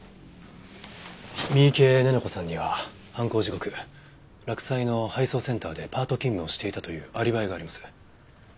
三池寧々子さんには犯行時刻洛西の配送センターでパート勤務をしていたというアリバイがあります。